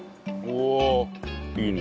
おおいいね。